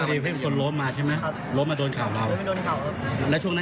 กระตุกกว่าพี่น้องชาวแบบเรา